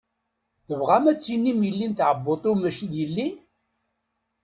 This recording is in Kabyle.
Tebɣam ad d-tinim yelli n tɛebbuṭ-iw mačči d yelli?